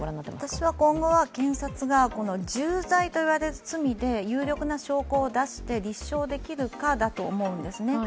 私は今後は検察が重罪と言われる罪で有力な証拠を出して立証できるかだと思うんですね。